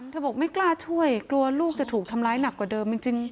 บอกไม่กล้าช่วยกลัวลูกจะถูกทำร้ายหนักกว่าเดิมจริง